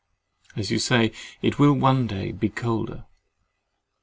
As you say, it will one day be colder.